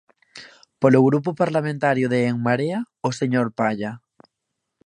Polo Grupo Parlamentario de En Marea, o señor Palla.